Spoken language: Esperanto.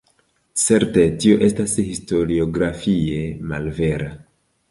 Certe, tio estas historiografie malvera.